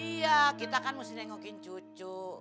iya kita kan mesti nengokin cucu